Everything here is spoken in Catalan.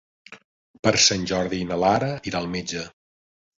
Per Sant Jordi na Lara irà al metge.